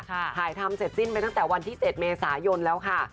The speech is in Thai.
ถ่ายทำเสร็จสิ้นไปตั้งแต่วันที่๗เมษายนแล้วค่ะ